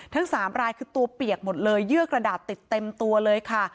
สามรายคือตัวเปียกหมดเลยเยื่อกระดาษติดเต็มตัวเลยค่ะ